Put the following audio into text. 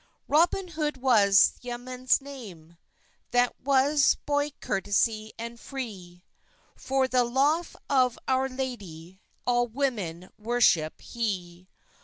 Roben Hood was the yemans name, That was boyt corteys and fre; For the loffe of owr ladey, All wemen werschep he.